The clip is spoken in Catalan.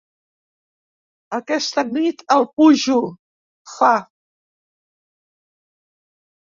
Aquesta nit el pujo —fa—.